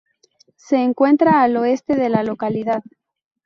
Se encuentra al oeste de la localidad.